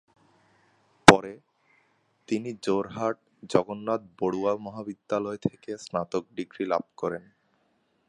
পরে, তিনি যোরহাট "জগন্নাথ বড়ুয়া মহাবিদ্যালয়" থেকে স্নাতক ডিগ্রী লাভ করেন।